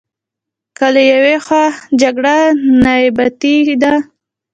که له یوې خوا جګړه نیابتي ده.